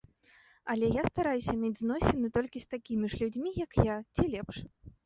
Але я стараюся мець зносіны толькі з такімі ж людзьмі, як я, ці лепш.